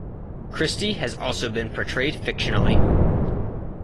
Christie has also been portrayed fictionally.